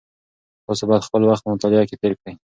تاسو باید خپل وخت په مطالعه کې تېر کړئ.